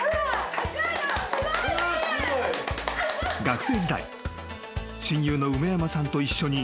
［学生時代親友の梅山さんと一緒に日々］